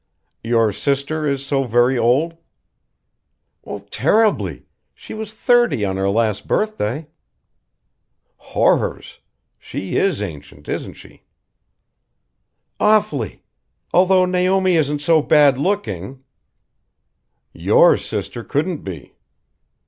"Your sister is so very old?" "Terribly. She was thirty on her last birthday." "Horrors! She is ancient, isn't she?" "Awfully! Although Naomi isn't so bad looking " "Your sister couldn't be."